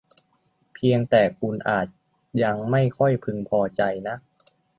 เพียงแต่คุณอาจยังไม่ค่อยพึงพอใจนัก